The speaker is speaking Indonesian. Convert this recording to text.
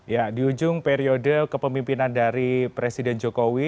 ya di ujung periode kepemimpinan dari presiden jokowi